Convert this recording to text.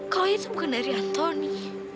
koin itu bukan dari antoni